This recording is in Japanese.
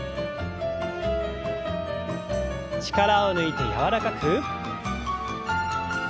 力を抜いて柔らかく。